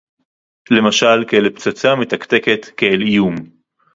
למשל, כאל פצצה מתקתקת, כאל איום